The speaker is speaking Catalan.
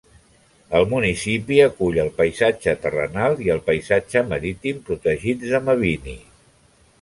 El municipi acull el paisatge terrenal i el paisatge marítim protegits de Mabini.